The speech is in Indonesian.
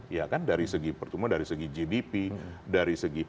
ya kan dari segi pertumbuhan dari segi gdp dari segi